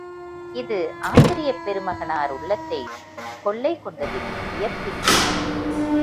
இது ஆசிரியப் பெருமகனார் உள்ளத்தைக் கொள்ளை கொண்டதில் வியப்பில்லை.